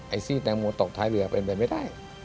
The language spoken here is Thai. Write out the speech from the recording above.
ซีดแตงโมตกท้ายเรือเป็นไปไม่ได้